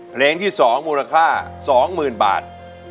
เพลงที่๒มูลค่า๒๐๐๐บาท